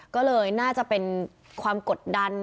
ก็เลยน่าจะเป็นความกดดัน